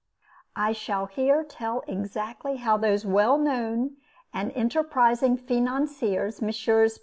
I shall here tell exactly how those well known and enterprising financiers, Messrs.